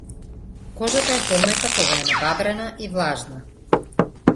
Кожата е помека кога е набабрена и влажна.